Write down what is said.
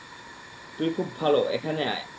তুই খুব ভাল, এখানে আয়।